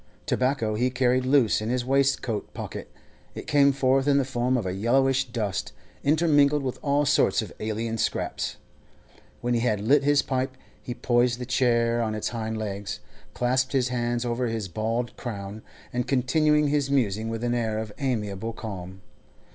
Tobacco he carried loose in his waistcoat pocket; it came forth in the form of yellowish dust, intermingled with all sorts of alien scraps. When he had lit his pipe, he poised the chair on its hind legs, clasped his hands over his bald crown, and continued his musing with an air of amiable calm.